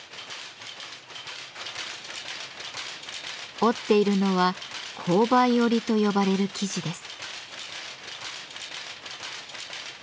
織っているのは「紅梅織」と呼ばれる生地です。